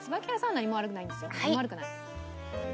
何も悪くない。